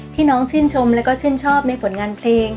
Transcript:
น้องชื่นชมแล้วก็ชื่นชอบในผลงานเพลง